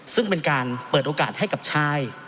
ซึ่งเป็นการเปิดโอกาสให้กับชาย